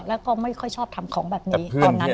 แล้วก็ไม่ค่อยชอบทำของแบบนี้ตอนนั้น